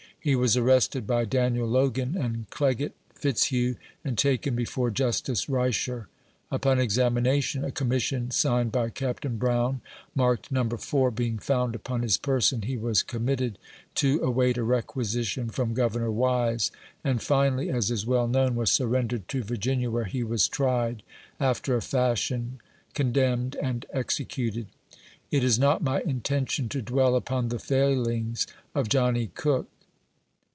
He was arrested by "Daniel Logan and Clegget Fitzhugh, and taken before Justice Reisher. Upon examination, a commission signed by Captain Brown, marked No. 4, being found upon his person, he was committed to await a requisition from 58 A VOICE FROM HARPER')* FERRY. Governor Wise, and finally, as is well known, was surrendered to Virginia, where he was tried, after a fashion, condemned, and executed. It is not my intention to dwell upon the fail ings of John E. Cook.